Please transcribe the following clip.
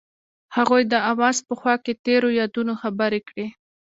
هغوی د اواز په خوا کې تیرو یادونو خبرې کړې.